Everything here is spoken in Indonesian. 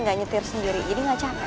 gak nyetir sendiri jadi nggak capek